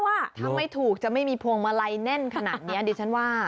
ว่าถ้าไม่ถูกจะไม่มีพวงมาลัยแน่นขนาดนี้ดิฉันว่า